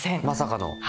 まさかの。